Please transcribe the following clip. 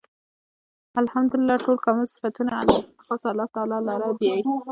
الحمد لله . ټول کامل صفتونه خاص الله تعالی لره دی